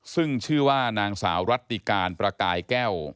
ซึ่งชื่อว่านางสาวรัติการประกายแก้ว